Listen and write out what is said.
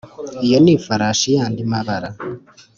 iyo ni ifarashi yandi mabara.